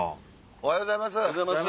おはようございます。